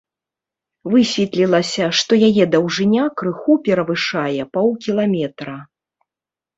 Высветлілася, што яе даўжыня крыху перавышае паўкіламетра.